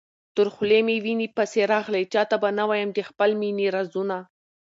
تر خولې مي وېني پسي راغلې، چاته به نه وايم د خپل مېني رازونه